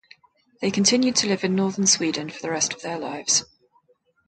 They continued to live in northern Sweden for the rest of their lives.